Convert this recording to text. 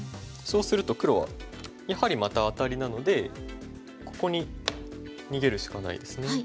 そうすると黒はやはりまたアタリなのでここに逃げるしかないですね。